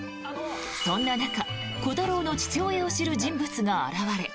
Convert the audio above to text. そんな中、コタローの父親を知る人物が現れ。